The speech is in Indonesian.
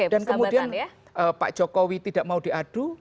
dan kemudian pak jokowi tidak mau diadu